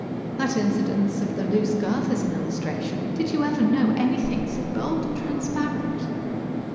That incident of the loose girth is an illustration. Did you ever know anything so bold and transparent?